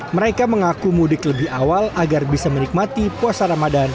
mereka mengaku mudik lebih awal agar bisa menikmati puasa ramadan